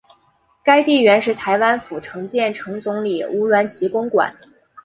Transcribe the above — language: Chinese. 该地原是台湾府城建城总理吴鸾旗公馆。